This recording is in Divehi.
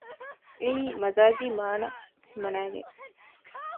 އެއީ މަޖާޒީ މާނަ ހިމަނައިގެން